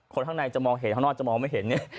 คนข้างในจะมองเห็นข้างนอกจะมองไม่เห็นเนี่ย